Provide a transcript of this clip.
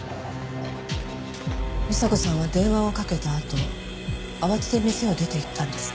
美紗子さんは電話をかけたあと慌てて店を出ていったんですか？